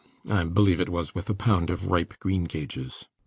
I believe it was with a pound of ripe greengages.